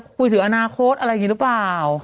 คุยถึงอนาคตอะไรอย่างนี้หรือเปล่า